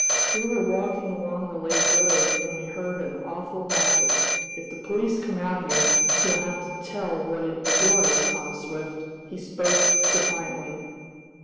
"We were walking along the lake road, and we heard an awful racket. If the police come out here, you'll have to tell what it was, Tom Swift." He spoke defiantly.